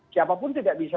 siapapun tidak bisa